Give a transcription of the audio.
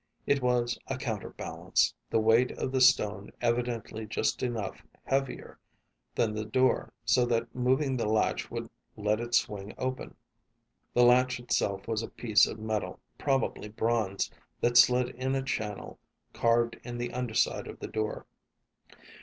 It was a counterbalance, the weight of the stone evidently just enough heavier than the door so that moving the latch would let it swing open. The latch itself was a piece of metal, probably bronze, that slid in a channel carved in the underside of the door.